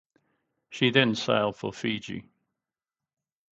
She then sailed for Fiji.